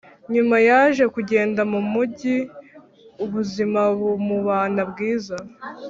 nyuma yaje kugenda mu mugi ubuzima bumubana bwiza